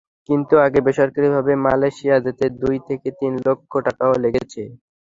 কিন্তু আগে বেসরকারিভাবে মালয়েশিয়া যেতে দুই থেকে তিন লাখ টাকাও লেগেছে।